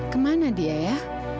kemana dia ya